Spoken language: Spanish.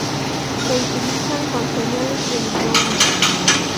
Se utilizan con señales de microondas.